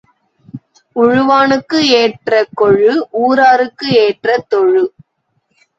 உழுவானுக்கு ஏற்ற கொழு ஊராருக்கு ஏற்ற தொழு.